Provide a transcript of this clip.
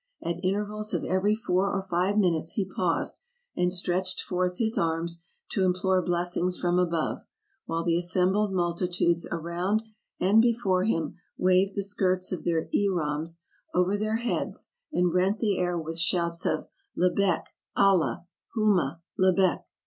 At intervals of every four or five minutes he paused and stretched forth his arms to implore blessings from above, while the assembled multitudes around and before him waved the skirts of their ihrams over their heads and rent the air with shouts of Lebcyk, Allah, Jiuma, Lebeyk!